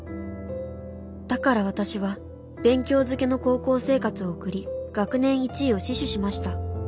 だから私は勉強づけの高校生活を送り学年一位を死守しました。